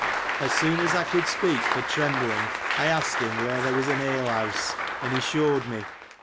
As soon as I could speak for trembling, I asked him where there was an ale house, and he shewed me.